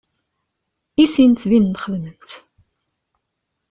I sin ttbinen-d xedmen-tt.